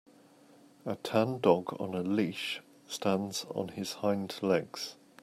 A tan dog on a leash stands on his hind legs.